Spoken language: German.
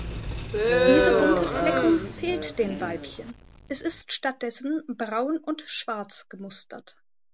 Diese bunte Fleckung fehlt den Weibchen, es ist stattdessen braun und schwarz gemustert.